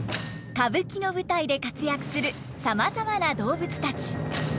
歌舞伎の舞台で活躍するさまざまな動物たち。